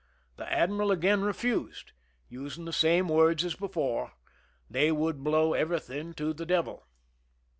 The admiral again refused, using the same words as before: "They would blow everything to the devil."